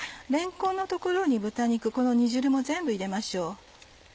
れんこんの所に豚肉この煮汁も全部入れましょう。